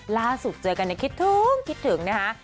ล่าสุดเจอกันคิดถึงคิดถึงนะคะ